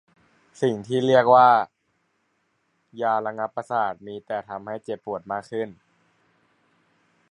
สิ่งที่คุณเรียกว่ายาระงับประสาทมีแต่ทำให้เจ็บปวดมากขึ้น